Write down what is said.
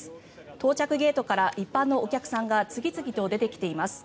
到着ゲートから一般のお客さんが次々と出てきています。